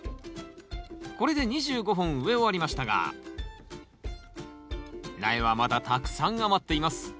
これで２５本植え終わりましたが苗はまだたくさん余っています。